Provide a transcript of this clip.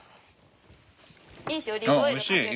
ニーシオリーブオイルかける？